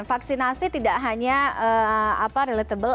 vaksinasi tidak hanya relatable